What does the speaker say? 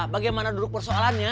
bagaimana dulu persoalannya